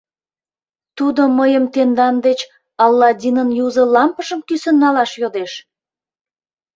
Тудо мыйым тендан деч Аладдинын юзо лампыжым кӱсын налаш йодеш.